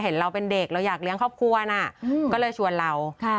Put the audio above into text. เราเป็นเด็กเราอยากเลี้ยงครอบครัวนะก็เลยชวนเรา